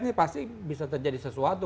ini pasti bisa terjadi sesuatu